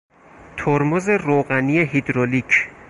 ترمز روغنی هیدرولیک